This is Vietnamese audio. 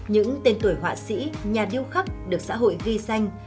những tên tuổi họa sĩ nhà điêu khắc được xã hội ghi danh